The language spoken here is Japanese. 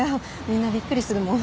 みんなびっくりするもん。